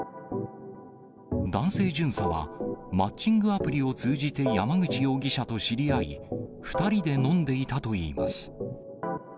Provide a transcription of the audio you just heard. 男性巡査は、マッチングアプリを通じて山口容疑者と知り合い、２人で飲んでいたといいます。